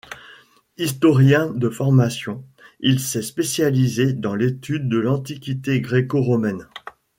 Historien de formation, il s'est spécialisé dans l'étude de l'Antiquité gréco-romaine.